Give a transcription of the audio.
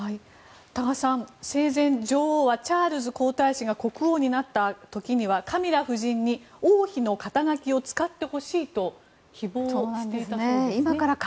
多賀さん生前、女王はチャールズ皇太子が国王になった時にはカミラ夫人に王妃の肩書を使ってほしいと希望していたそうですね。